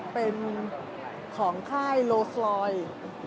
เป็นของค่ายโรสลอยด์